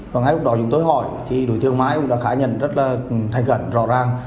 và ngay lúc đó chúng tôi hỏi thì đối tượng mai cũng đã khai nhận rất là thành khẩn rõ ràng